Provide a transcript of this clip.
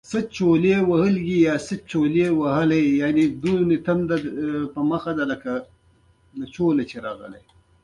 حال دا چې علمي لحاظ بحث وشي